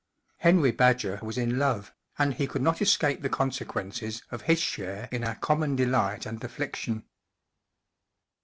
Henry Badger was in love, and he could not escape the consequences of his share in our common delight and affliction.